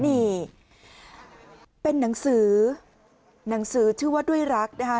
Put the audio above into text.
นี่เป็นหนังสือหนังสือชื่อว่าด้วยรักนะคะ